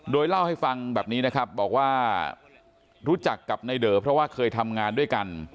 โดยเล่าให้ฟังแบบนี้นะครับบอกว่ารู้จักกับในเดอเพราะว่าเคยทำงานด้วยกัน